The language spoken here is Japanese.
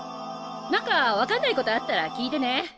なんか分かんないことあったら聞いてね。